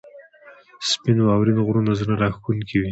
• سپین واورین غرونه زړه راښکونکي ښکاري.